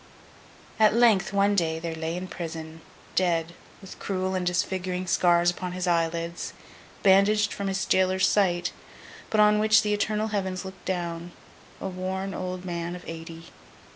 At length, one day, there lay in prison, dead, with cruel and disfiguring scars upon his eyelids, bandaged from his jailer's sight, but on which the eternal Heavens looked down, a worn old man of eighty.